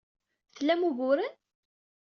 Tlam uguren?